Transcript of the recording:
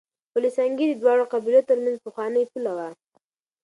پل سنګي د دواړو قبيلو ترمنځ پخوانۍ پوله وه.